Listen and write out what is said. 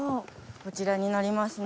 こちらになりますね。